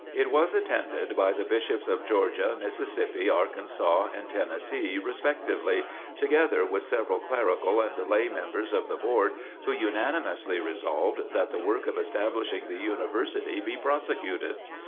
It was attended by the Bishops of Georgia, Mississippi, Arkansas and Tennessee, respectively, together with several clerical and lay members of the Board who unanimously resolved that the work of establishing the University be prosecuted.